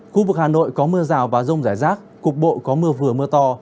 khu vực hà nội có mưa rào và rông rải rác cục bộ có mưa vừa mưa to